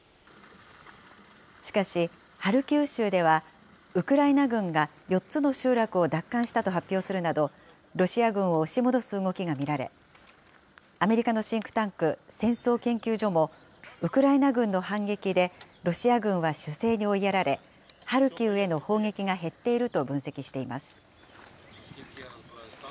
しかし、ハルキウ州ではウクライナ軍が４つの集落を奪還したと発表するなど、ロシア軍を押し戻す動きが見られ、アメリカのシンクタンク、戦争研究所もウクライナ軍の反撃でロシア軍は守勢に追いやられ、ハルキウへの砲撃が減っていると分析しています。